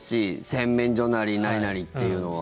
洗面所なりなんなりっていうのは。